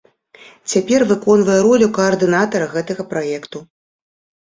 Цяпер выконвае ролю каардынатара гэтага праекту.